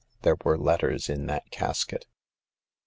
There were letters in that casket."